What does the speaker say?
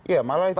ya malah itu